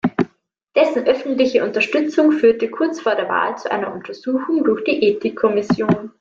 Dessen öffentliche Unterstützung führte kurz vor der Wahl zu einer Untersuchung durch die Ethikkommission.